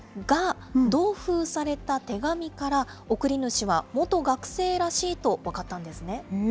が、同封された手紙から、送り主は元学生らしいと分かったんですね。